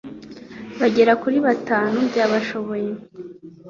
bagera kuri bitanu byabashoboye